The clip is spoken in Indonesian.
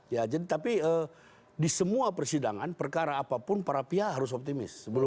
ya jadi tapi di semua persidangan perkara apapun para pihak harus optimis